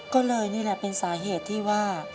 ก็เลยนี่แหละเป็นสาเหตุที่ว่า